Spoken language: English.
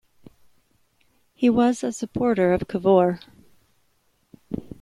He was a supporter of Cavour.